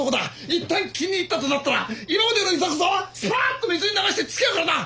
いったん気に入ったとなったら今までのいざこざはスパッと水に流してつきあうからな。